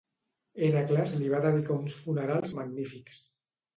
Hèracles li va dedicar uns funerals magnífics.